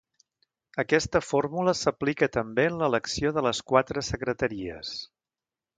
Aquesta fórmula s’aplica també en l’elecció de les quatre secretaries.